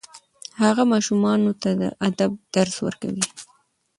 هغه ماشومانو ته د ادب درس ورکوي.